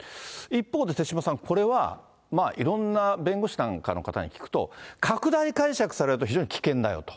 一方で、手嶋さん、これはいろんな弁護士なんかの方に聞くと、拡大解釈されると非常に危険だよと。